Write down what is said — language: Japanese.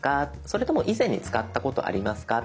それとも以前に使ったことありますか。